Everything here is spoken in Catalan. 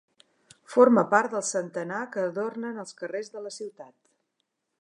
Forma part del centenar que adornen els carrers de la ciutat.